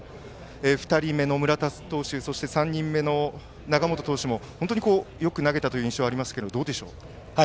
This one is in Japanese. ２人目の村田投手そして３人目の永本投手も本当によく投げたという印象がありましたが。